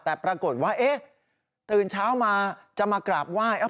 แต่ปรากฏว่าเอ๊ะตื่นเช้ามาจะมากราบไหว้